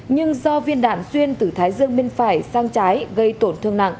nhưng do viên đạn xuyên từ thái dương bên phải sang trái gây tổn thương nặng